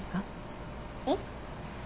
えっ？